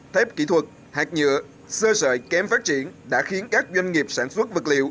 thép kỹ thuật hạt nhựa sơ sợi kém phát triển đã khiến các doanh nghiệp sản xuất vật liệu